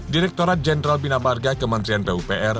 direkturat jenderal bina marga kementerian pupr